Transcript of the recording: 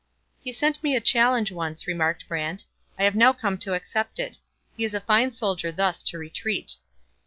'He sent me a challenge once,' remarked Brant; 'I have now come to accept it. He is a fine soldier thus to retreat.'